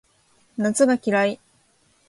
夏が嫌い